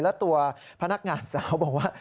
และตัวพนักงานสาวบอกว่า